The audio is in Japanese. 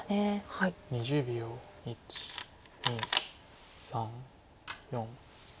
１２３４。